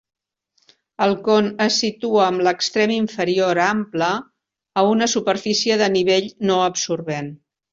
El con es situa amb l'extrem inferior ample a una superfície de nivell no absorbent.